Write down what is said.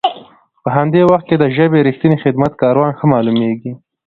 په همدي وخت کې د ژبې رښتني خدمت کاران ښه مالومیږي.